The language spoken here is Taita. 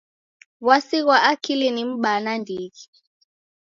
W'asi ghwa akili ni m'baa nandighi.